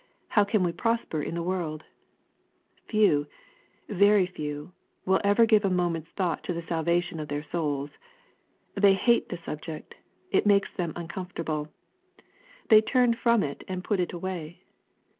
How can we prosper in the world ?'* Few, very few, will ever give a moment's thought to the sal vation of their souls. They hate the subject. It makes them uncomfortable. They tarn from it and put it away.